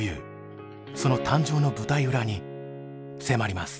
その誕生の舞台裏に迫ります。